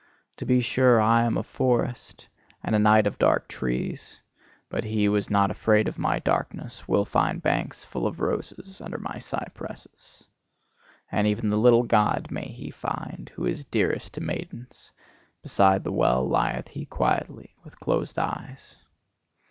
To be sure, I am a forest, and a night of dark trees: but he who is not afraid of my darkness, will find banks full of roses under my cypresses. And even the little God may he find, who is dearest to maidens: beside the well lieth he quietly, with closed eyes.